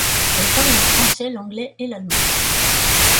Elle parle le français, l'anglais, et l'allemand.